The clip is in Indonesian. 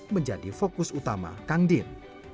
menjadi fokus utama kang din